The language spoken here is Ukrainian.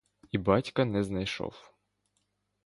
І батька не знайшов.